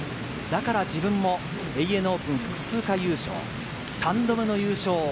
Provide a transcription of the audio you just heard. だから自分もＡＮＡオープン複数回優勝、３度目の優勝。